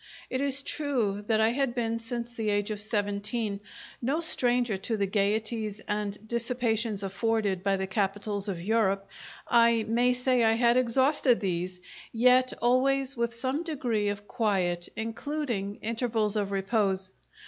It is true that I had been, since the age of seventeen, no stranger to the gaieties and dissipations afforded by the capitals of Europe; I may say I had exhausted these, yet always with some degree of quiet, including intervals of repose.